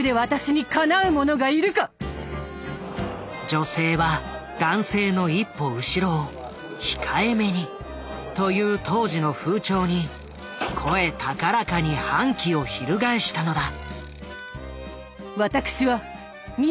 「女性は男性の一歩後ろを控えめに」という当時の風潮に声高らかに反旗を翻したのだ。